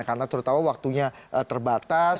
karena terutama waktunya terbatas